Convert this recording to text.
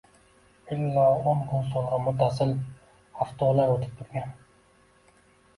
Illo o’ngu so’lga muttasil avtolar o’tib turgan.